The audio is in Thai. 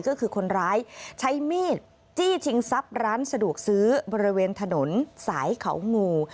ก็คือคนร้ายใช้มีดจี้ชิงทรัพย์ร้านสะดวกซื้อบริเวณถนนสายเขางู